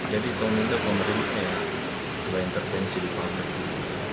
jadi kami minta pemerintah untuk intervensi di pabrik